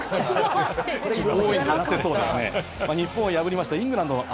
日本を破りました、イングランド。